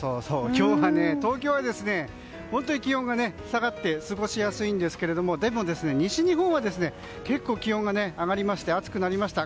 今日は東京は気温が下がって過ごしやすいんですけどもでも西日本は結構、気温が上がりまして暑くなりました。